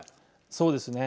そうですね。